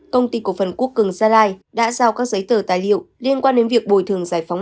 công ty cổ phần quốc cường gia lai đã giao các giấy tờ tài liệu liên quan đến việc bồi thường giải phóng